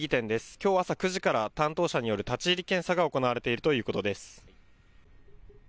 きょう朝９時から担当者による立ち入り検査が行われているということです。